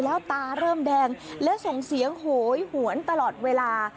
แล้วตาเริ่มแดงและส่งเสียงโหยหวนตลอดเวลา